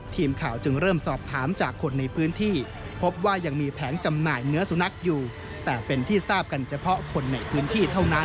ทีมข่าวจึงเริ่มสอบถามจากคนในพื้นที่พบว่ายังมีแผงจำหน่ายเนื้อสุนัขอยู่แต่เป็นที่ทราบกันเฉพาะคนในพื้นที่เท่านั้น